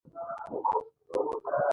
ښې خبري ښه خلک هم کوي او هم يې عملي کوي.